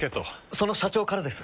その社長からです。